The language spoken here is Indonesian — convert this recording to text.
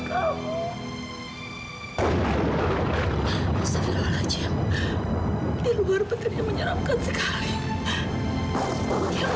terus kalau lagi hamil kita harus tahu kondisi dia